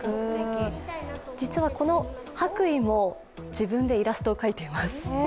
実はこの白衣も自分でイラストを描いています。